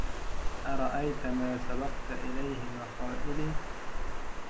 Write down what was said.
أرأيت ما سبقت إليه مخائلي